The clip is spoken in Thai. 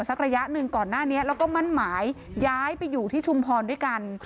ระยะหนึ่งก่อนหน้านี้แล้วก็มั่นหมายย้ายไปอยู่ที่ชุมพรด้วยกัน